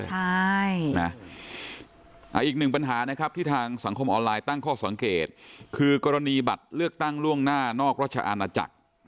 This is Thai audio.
อีกหนึ่งปัญหานะครับที่ทางสังคมออนไลน์ตั้งข้อสังเกตคือกรณีบัตรเลือกตั้งล่วงหน้านอกรัชอาณาจักร